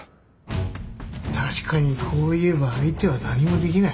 確かにこう言えば相手は何もできない。